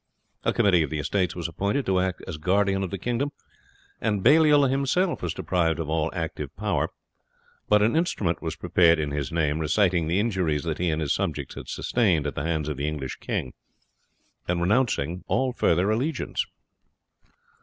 A committee of the estates was appointed to act as guardian of the kingdom, and Baliol himself was deprived of all active power; but an instrument was prepared in his name, reciting the injuries that he and his subjects had sustained at the hands of the English king, and renouncing all further allegiance.